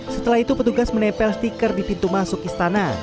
setelah itu petugas menempel stiker di pintu masuk istana